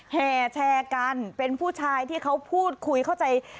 แห่แชร์กันเป็นผู้ชายที่เขาพูดคุยเข้าใจ